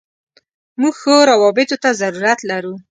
موږ ښو راوبطو ته ضرورت لرو.